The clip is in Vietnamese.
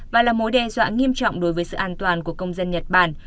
và là mối đe dọa nghiêm trọng đối với sự an toàn của công dân nhật bản